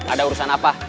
ada urusan apa